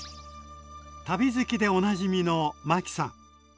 旅好きでおなじみのマキさん。